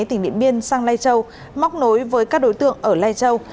tỉnh điện biên sang lai châu móc nối với các đối tượng ở lai châu